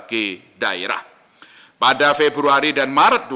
ketiga memperkuatkan kekuatan ekonomi dan keuangan digital